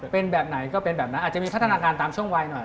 เป็นแบบไหนก็เป็นแบบนั้นอาจจะมีพัฒนาการตามช่วงวัยหน่อย